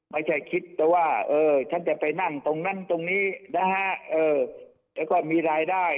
ไม่ใช่คิดแต่ว่าฉันจะไปนั่งตรงนั้นตรงนี้นะฮะแล้วก็มีรายได้